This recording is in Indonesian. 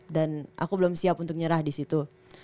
dan aku belum siap untuk nyerah disitu